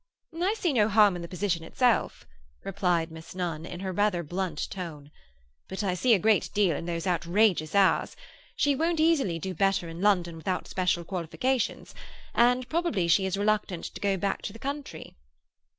"I see no harm in the position itself," replied Miss Nunn in her rather blunt tone, "but I see a great deal in those outrageous hours. She won't easily do better in London, without special qualifications; and probably she is reluctant to go back to the country."